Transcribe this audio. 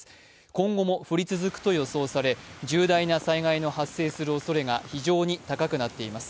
今後も降り続くと予想され、重大な災害の発生するおそれが非常に高くなっています。